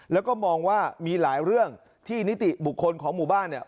แล้วก็มองว่ามีหลายเรื่องที่นิติบุคคลของหมู่บ้านเนี่ย